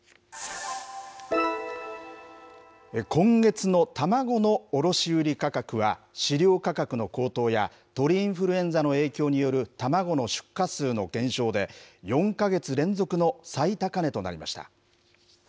今月の卵の卸売り価格は、飼料価格の高騰や鳥インフルエンザの影響による卵の出荷数の減少で、４か月連続の最高値となりました。